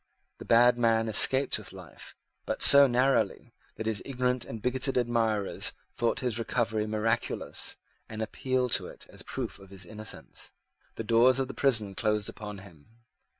The bad man escaped with life, but so narrowly that his ignorant and bigoted admirers thought his recovery miraculous, and appealed to it as a proof of his innocence. The doors of the prison closed upon him.